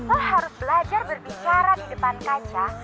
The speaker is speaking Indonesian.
saya harus belajar berbicara di depan kaca